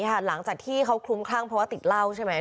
การแบบนี้ค่ะหลังจากที่เค้าคลุ้มครั่งเพราะว่าติดเหล้าใช่ไหม